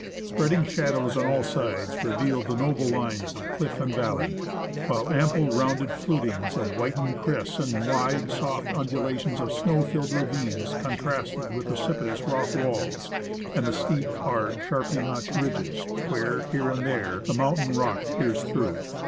Spreading shadows on all sides re vealed the noble lines of cliff and valley, while ample rounded flutings of whitened crests and wide, soft undulations of snow filled ravines contrasted with precipitous rock walls, and the steep, hard, sharply notched ridges, where, here and there, the mountain rock pierced through.